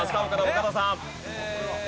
岡田さん。